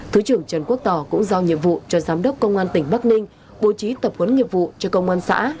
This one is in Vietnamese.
thứ trưởng trần quốc tỏ cũng giao nhiệm vụ cho giám đốc công an tỉnh bắc ninh bố trí tập huấn nghiệp vụ cho công an xã